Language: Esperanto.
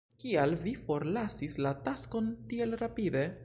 Kial vi forlasis la taskon tiel rapide?